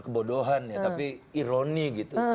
kebodohan ya tapi ironi gitu